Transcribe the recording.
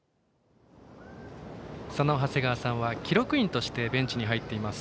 その長谷川さんは記録員としてベンチに入っています。